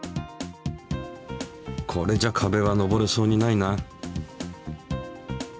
これじゃ壁は登れそうにないな。